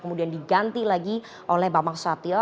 kemudian diganti lagi oleh bapak soe saptiong